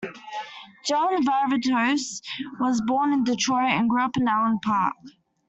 John Varvatos was born in Detroit and grew up in Allen Park.